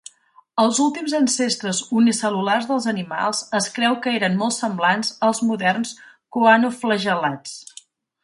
Els últims ancestres unicel·lulars dels animals es creu que eren molt semblants als moderns coanoflagel·lats.